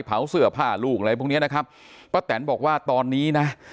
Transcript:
เผาเสื้อผ้าลูกอะไรพวกเนี้ยนะครับป้าแตนบอกว่าตอนนี้นะ